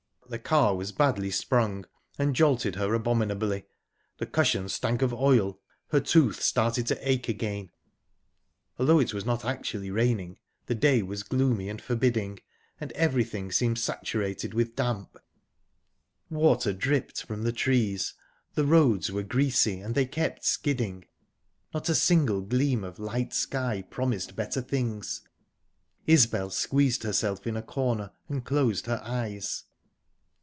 The car was badly sprung, and jolted her abominably; the cushions stank of oil; her tooth started to ache again. Although it was not actually raining, the day was gloomy and forbidding, and everything seemed saturated with damp. Water dripped from the trees. The roads were greasy and they kept skidding. Not a single gleam of light sky promised better things. Isbel squeezed herself in a corner, and closed her eyes.